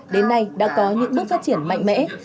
đến nay đã có những bước phát triển mạnh mẽ